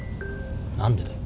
何でだよ。